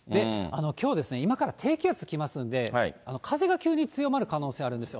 きょう、今から低気圧が来ますんで、風が急に強まる可能性があるんですよ。